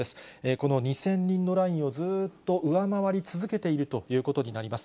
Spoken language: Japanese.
この２０００人のラインをずーっと上回り続けているということになります。